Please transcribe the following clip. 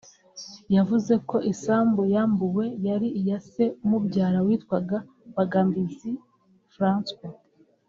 yavuze ko isambu yambuwe yari iya se umubyara witwaga Bagambiki François